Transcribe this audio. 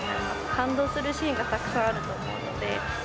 感動するシーンがたくさんあると思うので。